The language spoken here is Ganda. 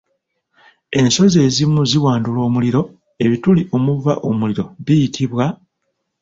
Ensozi ezimu ziwandula omuliro ebituli omuva omuliro biyitibwa bitya?